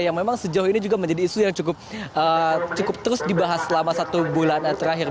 yang memang sejauh ini juga menjadi isu yang cukup terus dibahas selama satu bulan terakhir